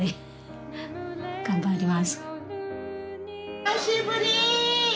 久しぶり！